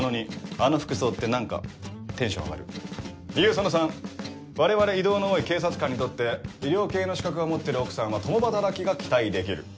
その３我々異動の多い警察官にとって医療系の資格を持ってる奥さんは共働きが期待できる。